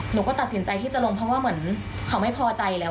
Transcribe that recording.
หนูก็ตัดสินใจที่จะลงเพราะว่าเหมือนเขาไม่พอใจแล้ว